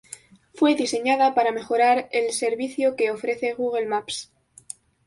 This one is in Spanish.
Fue diseñada para mejorar el servicio que ofrece Google Maps.